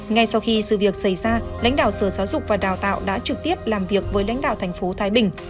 ngay sau khi sự việc xảy ra lãnh đạo sở giáo dục và đào tạo đã trực tiếp làm việc với lãnh đạo thành phố thái bình